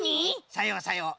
さようさよう。